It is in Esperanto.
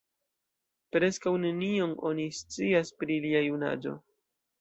Preskaŭ nenion oni scias pri lia junaĝo.